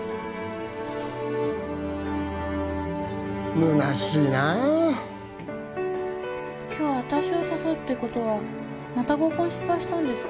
・むなしいな今日私を誘うってことはまた合コン失敗したんですか？